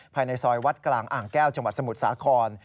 ภายในซอยวัดกลางอ่างแก้วจังหวัดสมุทรสาคร